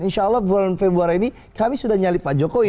insya allah bulan februari ini kami sudah nyali pak jokowi